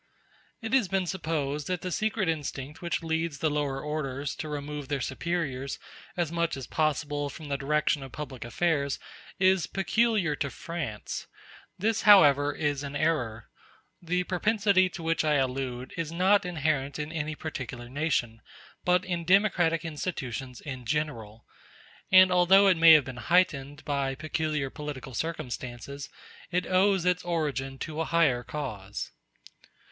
It has been supposed that the secret instinct which leads the lower orders to remove their superiors as much as possible from the direction of public affairs is peculiar to France. This, however, is an error; the propensity to which I allude is not inherent in any particular nation, but in democratic institutions in general; and although it may have been heightened by peculiar political circumstances, it owes its origin to a higher cause.